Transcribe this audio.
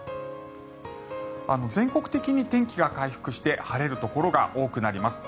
全国的に天気が回復して晴れるところが多くなります。